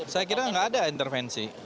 saya kira nggak ada intervensi